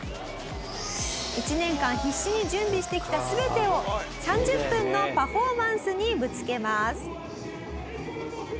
１年間必死に準備してきた全てを３０分のパフォーマンスにぶつけます。